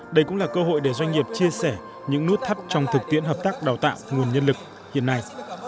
đây cũng là cơ hội để doanh nghiệp chia sẻ những nút thắt trong thực tiễn hợp tác đào tạo nguồn nhân lực hiện nay